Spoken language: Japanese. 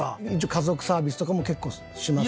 家族サービスとかも結構しますか？